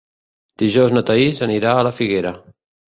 Dijous na Thaís anirà a la Figuera.